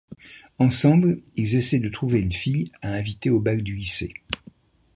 Ensemble, ils essayent de trouver une fille à inviter au bal du lycée.